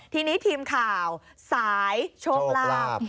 ทีนี้ทีมข่าวสายโชคลาภ